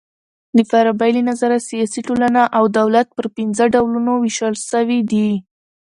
د فارابۍ له نظره سیاسي ټولنه او دولت پر پنځه ډولونو وېشل سوي دي.